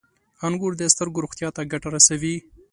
• انګور د سترګو روغتیا ته ګټه رسوي.